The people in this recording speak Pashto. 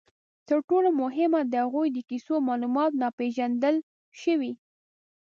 تر ټولو مهمه، د هغوی د کیسو معلومات ناپېژندل شوي.